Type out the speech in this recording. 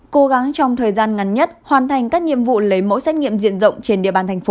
cố gắng trong thời gian ngắn nhất hoàn thành các nhiệm vụ lấy mẫu xét nghiệm diện rộng trên địa bàn thành phố